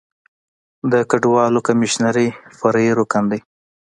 د کډوالو کمیشنري فرعي رکن دی.